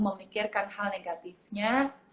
memikirkan hal negatifnya